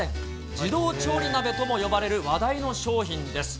自動調理鍋とも呼ばれる話題の商品です。